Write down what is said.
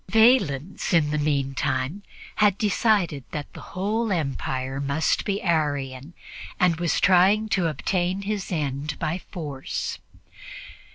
Valens, in the meantime, had decided that the whole empire must be Arian and was trying to obtain his end by force.